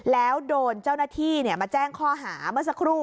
แล้วโดนเจ้าหน้าที่มาแจ้งข้อหาเมื่อสักครู่